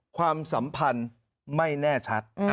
ความสัมพันธ์ไม่แน่ชัด